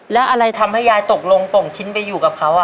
แล้วอะไรทำให้ยายตกลงปงชิ้นไปอยู่กับเขา